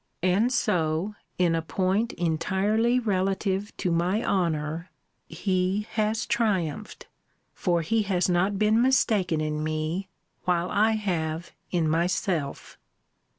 And so, in a point entirely relative to my honour, he has triumphed; for he has not been mistaken in me, while I have in myself!